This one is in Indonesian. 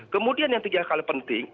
kemudian yang tiga kali penting